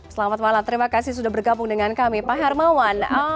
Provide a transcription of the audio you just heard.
selamat malam terima kasih sudah bergabung dengan kami pak hermawan